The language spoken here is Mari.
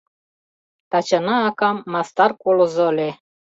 Тачана акам мастар колызо ыле.